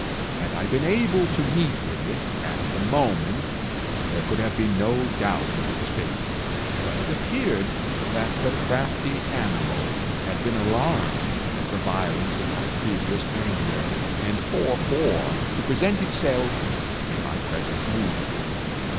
Had I been able to meet with it, at the moment, there could have been no doubt of its fate; but it appeared that the crafty animal had been alarmed at the violence of my previous anger, and forebore to present itself in my present mood.